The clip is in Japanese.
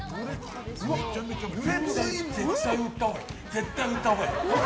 絶対売ったほうがいい。